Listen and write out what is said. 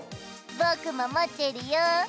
僕も持ってるよ